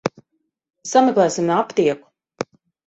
Sameklēsim aptieku.